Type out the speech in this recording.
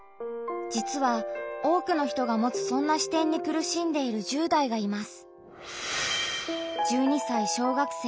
実は多くの人が持つそんな視点に苦しんでいる１０代がいます。